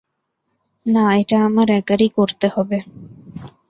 না, এটা আমার একারই করতে হবে।